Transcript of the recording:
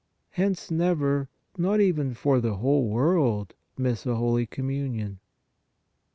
Hence never, not even for the whole world, miss a holy Communion.